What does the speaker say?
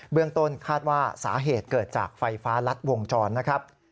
เรื่องต้นคาดว่าสาเหตุเกิดจากไฟฟ้ารัดวงจรนะครับ